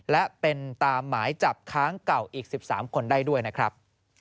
และเป็นตามหมายจับค้างเก่าอีก๑๓คนได้ด้วยนะครับ